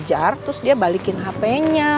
kejar terus dia balikin hpnya